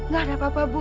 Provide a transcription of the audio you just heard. gak ada apa apa bu